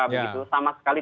itu sama sekali